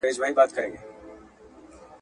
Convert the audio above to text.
يوه ورځ نوبت په خپله د سلطان سو.